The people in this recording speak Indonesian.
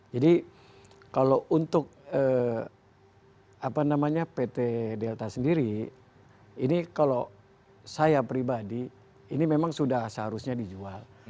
jadi kalau untuk pt delta sendiri ini kalau saya pribadi ini memang sudah seharusnya dijual